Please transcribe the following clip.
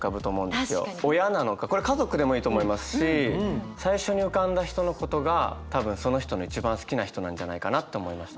親なのかこれ家族でもいいと思いますし最初に浮かんだ人のことが多分その人の一番好きな人なんじゃないかなって思いました。